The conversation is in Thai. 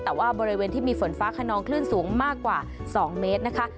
แต่ว่าบริเวณที่มีฝนฟ้าขนองคลื่นสูงมากกว่า๒เมตรนะคะ